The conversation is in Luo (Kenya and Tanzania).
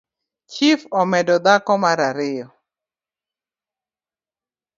Chif omedo dhako mara ariyo.